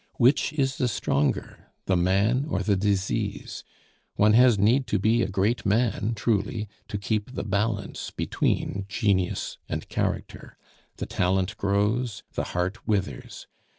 Which is the stronger? The man or the disease? One has need be a great man, truly, to keep the balance between genius and character. The talent grows, the heart withers.